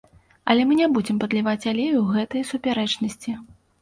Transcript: Але мы не будзем падліваць алею ў гэтыя супярэчнасці.